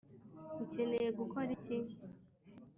ukeneye gukora iki